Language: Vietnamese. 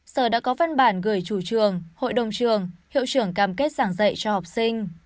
sở đã có văn bản gửi chủ trường hội đồng trường hiệu trưởng cam kết giảng dạy cho học sinh